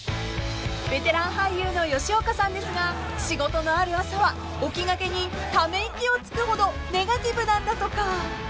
［ベテラン俳優の吉岡さんですが仕事のある朝は起きがけにため息をつくほどネガティブなんだとか］